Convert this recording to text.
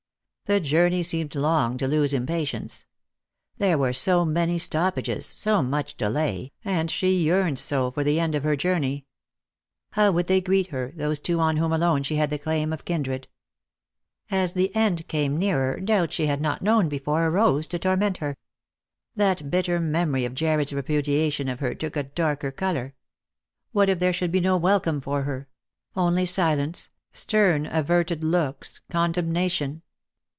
The journey seemed long to Loo's impatience. There were so many stoppages, so much delay, and she yearned so for the end of her journey. How would they greet her, those two on whom alone she had the claim of kindred^ As the end came nearer, doubts she had not known before arose to torment her. 222 Lost for Love. That bitter memory of Jarred's repudiation of her took a darter colour. What if there should be no welcome for her, — only silence, stern averted looks, condemnation